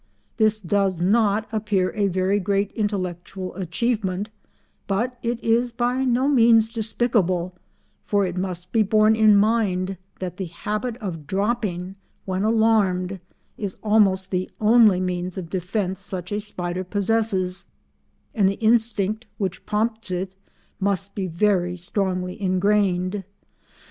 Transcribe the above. This does not appear a very great intellectual achievement, but it is by no means despicable, for it must be borne in mind that the habit of dropping when alarmed is almost the only means of defence such a spider possesses, and the instinct which prompts it must be very strongly ingrained.